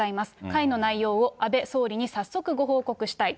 会の内容を安倍総理に早速ご報告したい。